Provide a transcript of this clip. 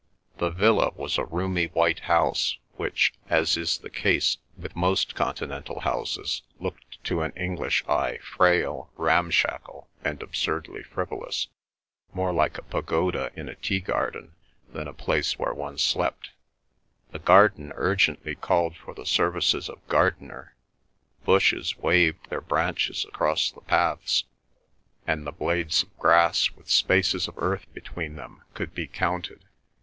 The villa was a roomy white house, which, as is the case with most continental houses, looked to an English eye frail, ramshackle, and absurdly frivolous, more like a pagoda in a tea garden than a place where one slept. The garden called urgently for the services of gardener. Bushes waved their branches across the paths, and the blades of grass, with spaces of earth between them, could be counted.